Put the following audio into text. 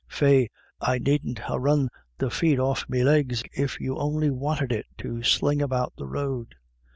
Faix, I needn't ha' run the feet off of me legs, if you on'y wanted it to sling about the road."